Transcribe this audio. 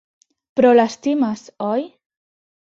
Però l'estimes, oi?